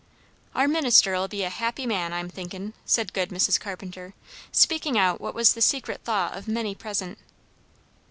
"Our minister'll be a happy man, I'm thinkin'," said good Mrs. Carpenter, speaking out what was the secret thought of many present.